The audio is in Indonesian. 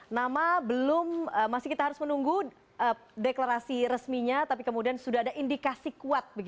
nama belum masih kita harus menunggu deklarasi resminya tapi kemudian sudah ada indikasi kuat